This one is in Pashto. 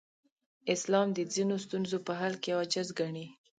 اسلام د ځینو ستونزو په حل کې عاجز ګڼي.